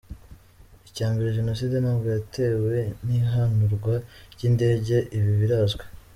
Icya mbere Jenoside ntabwo yatewe n’ihanurwa ry’indege, ibi birazwi.